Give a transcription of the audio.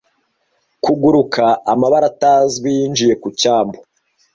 Kuguruka amabara atazwi yinjiye ku cyambu.